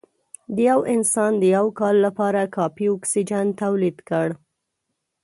د یو انسان د یو کال لپاره کافي اکسیجن تولید کړ